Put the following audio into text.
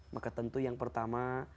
maka tentu yang pertama